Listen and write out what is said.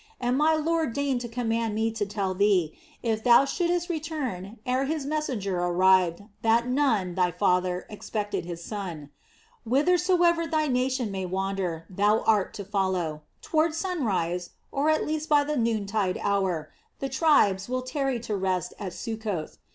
And my lord deigned to command me to tell thee, if thou should'st return ere his messenger arrived, that Nun, thy father, expected his son. Whithersoever thy nation may wander, thou art to follow. Toward sunrise, or at latest by the noon tide hour, the tribes will tarry to rest at Succoth.